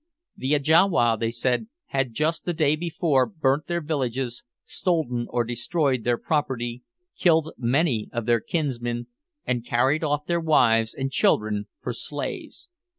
The Ajawa, they said, had, just the day before, burnt their villages, stolen or destroyed their property, killed many of their kinsmen, and carried off their wives and children for slaves.